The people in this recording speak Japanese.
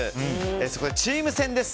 そこで、チーム戦です。